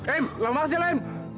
em lama masih em